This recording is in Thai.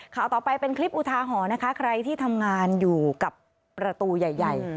ข่าวต่อไปเป็นคลิปอุทาหรณ์นะคะใครที่ทำงานอยู่กับประตูใหญ่ใหญ่